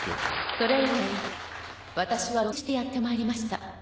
それ以来私は独立してやってまいりました。